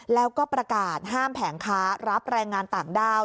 แล้วก็ประกาศห้ามแผงค้ารับแรงงานต่างด้าว